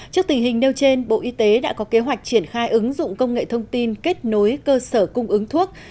trước tình hình nêu trên bộ y tế đã có kế hoạch triển khai ứng dụng công nghệ thông tin kết nối cơ sở cung ứng thuốc